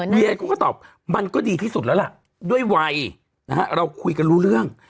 เดียเขาก็ตอบมันก็ดีที่สุดแล้วล่ะด้วยวัยนะฮะเราคุยกันรู้เรื่อง